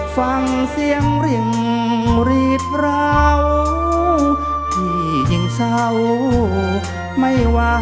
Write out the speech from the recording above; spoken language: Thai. ฟังเสียงริ่งรีดราวพี่ยิ่งเศร้าไม่ว่า